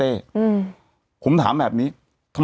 แต่หนูจะเอากับน้องเขามาแต่ว่า